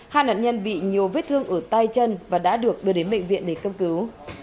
hai nạn nhân bị nhiều vết thương ở tay chân và đã được đưa đến bệnh viện để cấp cứu